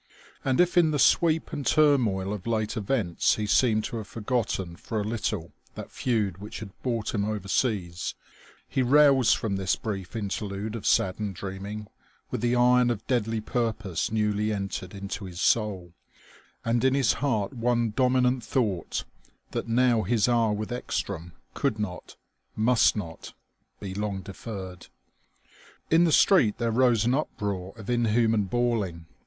And if in the sweep and turmoil of late events he seemed to have forgotten for a little that feud which had brought him overseas, he roused from this brief interlude of saddened dreaming with the iron of deadly purpose newly entered into his soul, and in his heart one dominant thought, that now his hour with Ekstrom could not, must not, be long deferred. In the street there rose an uproar of inhuman bawling.